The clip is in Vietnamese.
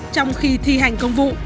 trong khi thi hành công vụ